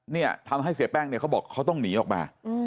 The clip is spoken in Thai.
เนี่ยทำให้เสียแป้งเนี่ยเขาบอกเขาต้องหนีออกมา